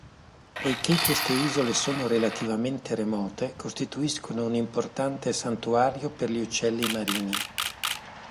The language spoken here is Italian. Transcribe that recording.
Poiché queste isole sono relativamente remote, costituiscono un importante santuario per gli uccelli marini.